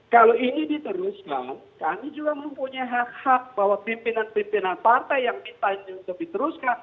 kalau ini diteruskan kami juga mempunyai hak hak bahwa pimpinan pimpinan partai yang ditanya untuk diteruskan